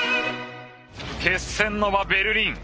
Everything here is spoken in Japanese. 決戦の場ベルリン。